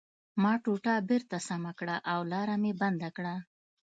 ما ټوټه بېرته سمه کړه او لاره مې بنده کړه